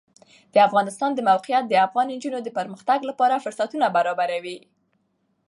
د افغانستان د موقعیت د افغان نجونو د پرمختګ لپاره فرصتونه برابروي.